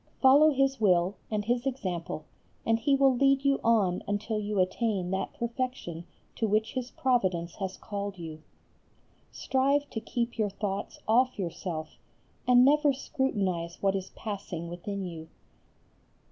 Follow His will and His example and He will lead you on until you attain that perfection to which His Providence has called you. Strive to keep your thoughts off yourself, and never scrutinize what is passing within you.